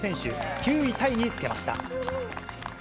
９位タイにつけました。